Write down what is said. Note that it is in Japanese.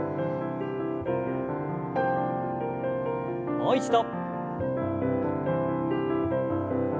もう一度。